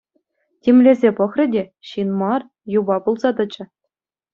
Тимлесе пӑхрӗ те — ҫын мар, юпа пулса тӑчӗ.